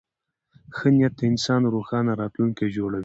ښه نیت د انسان روښانه راتلونکی جوړوي.